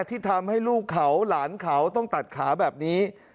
ที่ทำให้ลูกเขาหลานเขาต้องตัดขาแบบนี้